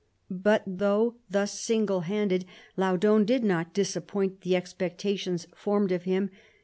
But, though thus single handed, Laudon did not disappoint the expectations formed of him.